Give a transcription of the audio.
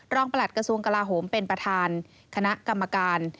ประหลัดกระทรวงกลาโหมเป็นประธานคณะกรรมการ